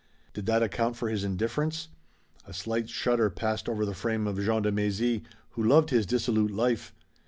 Did that account for his indifference? A slight shudder passed over the frame of Jean de Mézy, who loved his dissolute life.